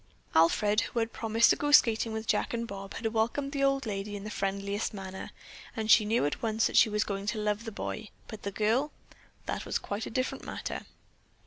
Alfred, who had promised to go skating with Jack and Bob, had welcomed the old lady in the friendliest manner, and she knew at once that she was going to love the boy, but the girl—that was quite a different matter.